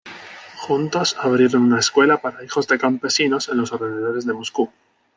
Juntos abrieron una escuela para hijos de campesinos en los alrededores de Moscú.